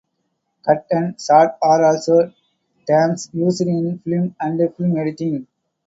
'Cut' and 'shot' are also terms used in film and film editing.